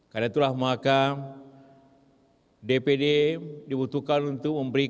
karena itulah maka dpd dibutuhkan untuk membangun